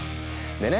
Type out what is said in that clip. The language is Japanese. でね